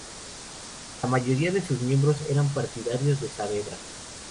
La mayoría de sus miembros eran partidarios de Saavedra.